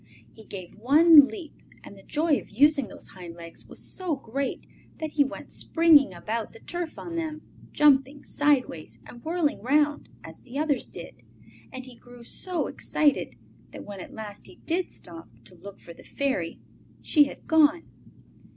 He gave one leap and the joy of using those hind legs was so great that he went springing about the turf on them, jumping sideways and whirling round as the others did, and he grew so excited that when at last he did stop to look for the Fairy she had gone.